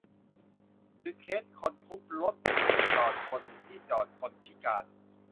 หรือเคสคนทุบรถที่จอดบนที่จอดคนพิการ